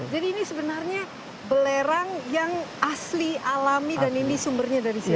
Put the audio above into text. jadi ini sebenarnya belerang yang asli alami dan ini sumbernya dari sini ya